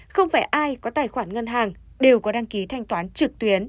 không phải ai có tài khoản ngân hàng đều có đăng ký thanh toán trực tuyến